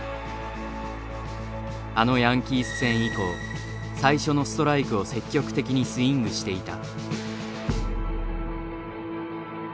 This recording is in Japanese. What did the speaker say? あのヤンキース戦以降最初のストライクを積極的にスイングしていた。